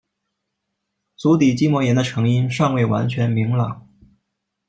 足底筋膜炎的成因尚未完全明朗。